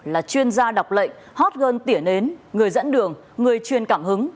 là chuyên gia đọc lệnh hot girl tiển ến người dẫn đường người chuyên cảm hứng